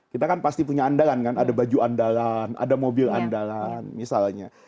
kita kan pasti punya andalan kan ada baju andalan ada mobil andalan misalnya